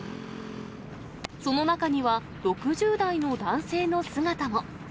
その中には、６０代の男性の姿も。